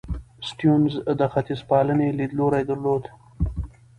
سټيونز د ختیځپالنې لیدلوری درلود.